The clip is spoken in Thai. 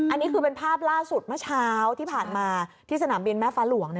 อันนี้คือเป็นภาพล่าสุดเมื่อเช้าที่ผ่านมาที่สนามบินแม่ฟ้าหลวง